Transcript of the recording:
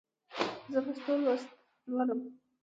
زه پښتو لوست لولم.